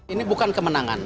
ini bukan kemenangan